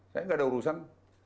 saya nggak ada urusan